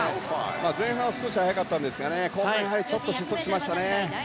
前半は少し速かったんですが後半ちょっと失速しましたね。